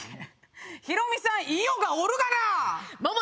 ヒロミさん伊代がおるがな！萌々